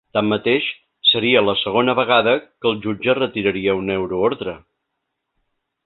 Tanmateix, seria la segona vegada que el jutge retiraria una euroordre.